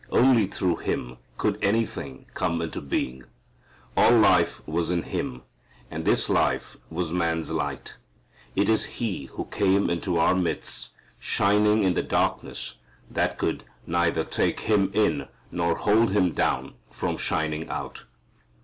Only through Him could anything come into being. All life was in Him, and this life was man's light. It is He who came into our midst, shining in the darkness that could neither take Him in nor hold Him down from shining out.